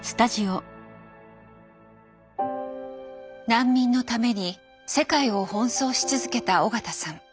難民のために世界を奔走し続けた緒方さん。